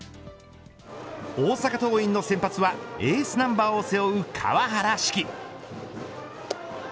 大阪桐蔭の先発はエースナンバーを背負う川原嗣貴。